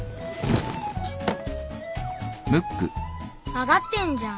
曲がってんじゃん。